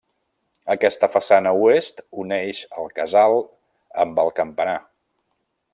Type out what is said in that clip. Aquesta façana oest uneix el casal amb el campanar.